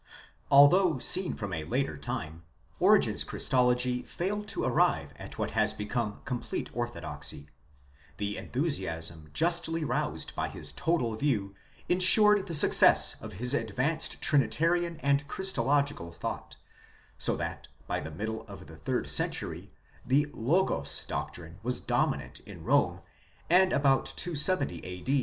Although seen from a later time Origen's Christology failed to arrive at what has become complete orthodoxy, the enthusiasm justly roused by his total view insured the success of his advanced trinitarian and christological thought, so that by the middle of the third cen tury the Logos doctrine was dominant in Rome and about 270 A.